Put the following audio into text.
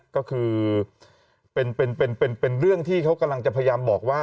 ก็คือเป็นเรื่องที่เขากำลังจะพยายามบอกว่า